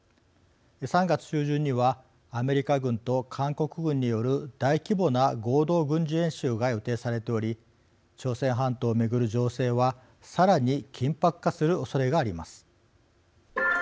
３月中旬にはアメリカ軍と韓国軍による大規模な合同軍事演習が予定されており朝鮮半島を巡る情勢はさらに緊迫化するおそれがあります。